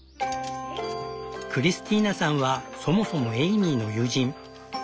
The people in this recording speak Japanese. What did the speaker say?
クリスティーナさんはそもそもエイミーの友人。